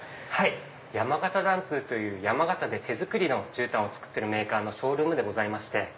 山形緞通という山形で手作りの絨毯を作ってるメーカーのショールームでございまして。